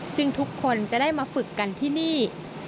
ซึ่งทุกคนจะได้มาฝึกกันที่นี่